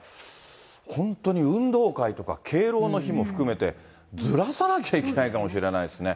本当に運動会とか敬老の日も含めて、ずらさなきゃいけないかもしれないですね。